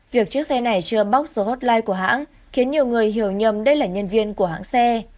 việc chiếc xe này chưa bóc số hotline của hãng khiến nhiều người hiểu nhầm đây là nhân viên của hãng xe